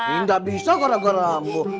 ini ndak bisa gara gara ambo